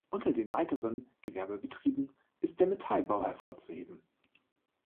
Unter den weiteren Gewerbebetrieben ist der Metallbau hervorzuheben.